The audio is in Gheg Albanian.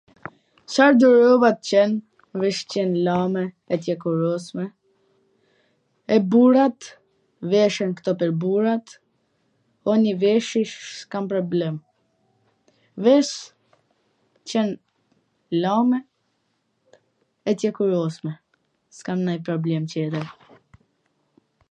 Cardo rroba t jen, veC t jen t lame e t ekurosme, e burrat veshen kto pwr burrat, o nji veshje s kam problem, veC t jen t lame e t ekurosme. S kam nanj problem tjetwr.